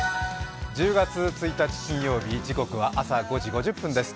１０月１日金曜日時刻は朝５時５０分です。